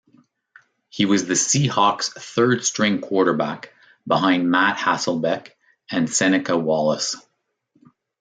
He was the Seahawks' third-string quarterback behind Matt Hasselbeck and Seneca Wallace.